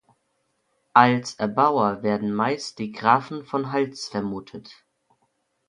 Als Erbauer werden meist die Grafen von Hals vermutet.